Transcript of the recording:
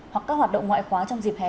hoặc các hoạt động ngoại khóa trong dịp hè